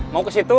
mau ke situ